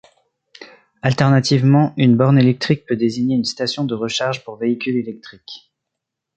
Alternativement, une borne électrique peut désigner une station de recharge pour véhicules électriques.